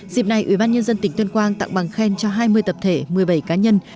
dịp này ủy ban nhân dân tỉnh tuyên quang tặng bằng khen cho hai mươi tập thể một mươi bảy cá nhân